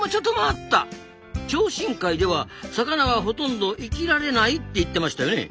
超深海では魚はほとんど生きられないって言ってましたよね？